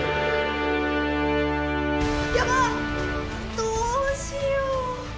どうしよう。